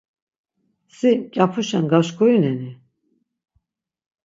Si mǩyapuşen gaşǩurnen-i?